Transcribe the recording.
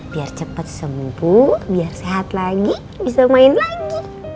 biar cepat sembuh biar sehat lagi bisa main lagi